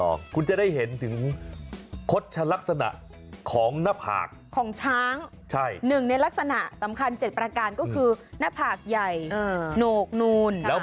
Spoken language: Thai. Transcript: โอ้โหต้องภูมิใจแล้ว